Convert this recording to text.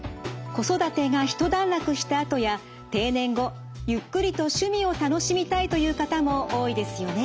子育てが一段落したあとや定年後ゆっくりと趣味を楽しみたいという方も多いですよね。